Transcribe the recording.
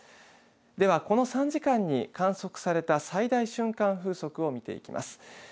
では、この３時間に観測された最大瞬間風速を見ていきます。